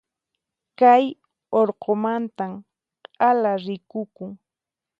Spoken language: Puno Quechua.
Kay urqumanta k'ala rikukun.